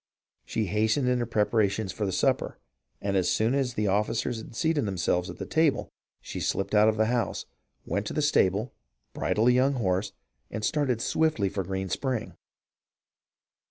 She hastened her preparations for the supper, and as soon as the officers seated themselves at the table, she slipped out of the house, went to the stable, bridled a young horse, and started swiftly for Green Spring.